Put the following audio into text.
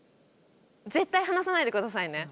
絶対離さないでくださいね。